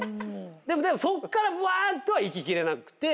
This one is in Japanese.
でもそっからぶわーっとはいき切れなくて。